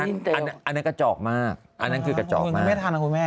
อันนั้นกระจอกมากอันนั้นคือกระจอกมาก